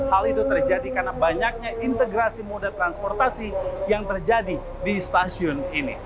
hal itu terjadi karena banyaknya integrasi moda transportasi yang terjadi di stasiun ini